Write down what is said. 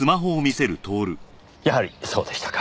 やはりそうでしたか。